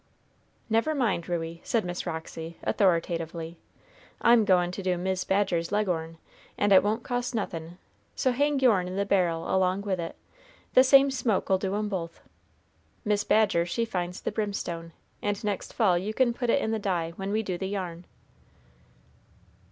"Never mind, Ruey," said Miss Roxy, authoritatively, "I'm goin' to do Mis' Badger's leg'orn, and it won't cost nothin'; so hang your'n in the barrel along with it, the same smoke'll do 'em both. Mis' Badger she finds the brimstone, and next fall you can put it in the dye when we do the yarn."